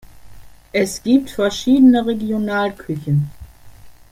Es gibt verschiedene Regionalküchen.